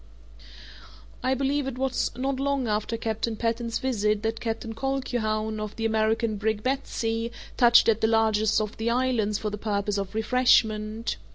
I believe it was not long after Captain Patten's visit that Captain Colquhoun, of the American brig Betsey, touched at the largest of the islands for the purpose of refreshment.